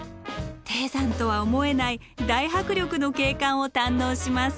低山とは思えない大迫力の景観を堪能します。